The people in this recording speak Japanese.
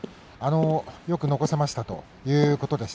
よく残せましたという話です。